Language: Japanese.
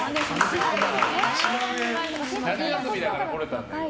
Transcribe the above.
夏休みだから来れたんだね。